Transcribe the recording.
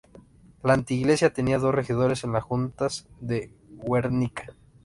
La anteiglesia tenía dos regidores en las Juntas de Guernica.